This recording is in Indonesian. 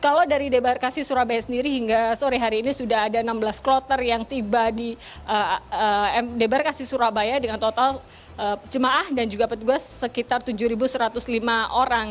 kalau dari debarkasi surabaya sendiri hingga sore hari ini sudah ada enam belas kloter yang tiba di debarkasi surabaya dengan total jemaah dan juga petugas sekitar tujuh satu ratus lima orang